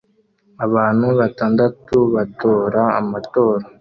Abantu batandatu batora amatora